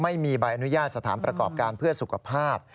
ไม่มีใบอนุญาตสถานประกอบการเพื่อสุขภาพ